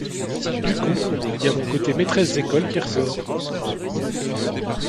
Du coup y'a mon côté maîtresse d'école qui ressort.